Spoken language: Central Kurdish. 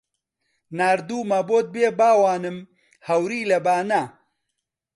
ناردوومە بۆت بێ باوانم هەوری لە بانە